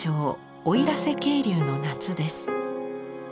奥入瀬渓流の夏です。